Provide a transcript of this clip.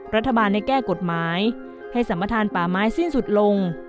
รัฐบาลได้แก้กฎหมายให้สัมประธานป่าไม้สิ้นสุดลง